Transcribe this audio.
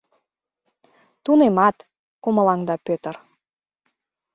— Тунемат, — кумылаҥда Пӧтыр.